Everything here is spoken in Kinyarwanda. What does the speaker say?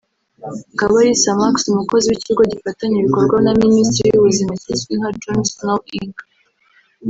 Kabalisa Max umukozi w’ikigo gifatanya ibikorwa na Minisiteri y’ubuzima kizwi ku nka John Snow Inc